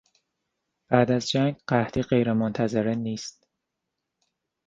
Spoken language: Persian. بعد از جنگ قحطی غیر منتظره نیست.